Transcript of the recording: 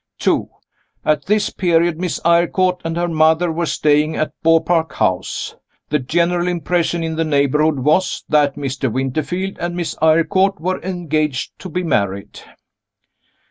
2. At this period, Miss Eyrecourt and her mother were staying at Beaupark House. The general impression in the neighborhood was that Mr. Winterfield and Miss Eyrecourt were engaged to be married.